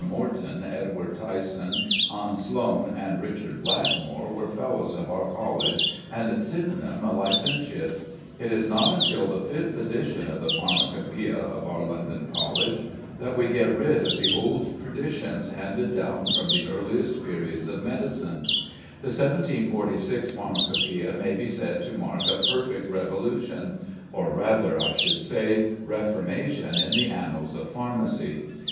Morton, Edward Tyson, Hans Sloane, and Richard Blackmore were Fellows of our College and Sydenham a Licentiate.... It is not until the fifth edition of the Pharmacopœia of our London College that we get rid of the old traditions handed down from the earliest periods of medicine. The 1746 Pharmacopœia may be said to mark a perfect revolution, or rather, I should say, reformation in the annals of pharmacy."